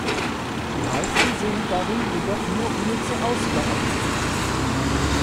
Die meisten sehen darin jedoch nur unnütze Ausgaben!